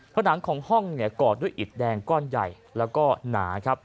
ผนังของห้องเนี่ยกอดด้วยอิดแดงก้อนใหญ่แล้วก็หนาครับ